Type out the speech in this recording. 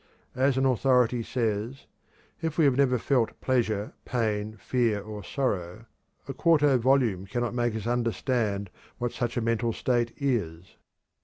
As an authority says: "If we have never felt pleasure, pain, fear, or sorrow, a quarto volume cannot make us understand what such a mental state is."